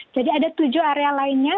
ada tujuh area lainnya